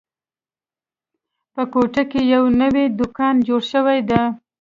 په کوټه کې یو نوی دوکان جوړ شوی ده